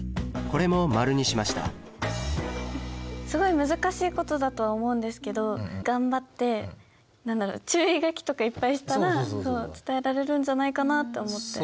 これも○にしましたすごい難しいことだとは思うんですけど頑張って注意書きとかいっぱいしたら伝えられるんじゃないかなと思って。